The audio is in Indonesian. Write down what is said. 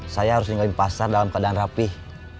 saya harus tinggalin pasar dalam keadaan rapih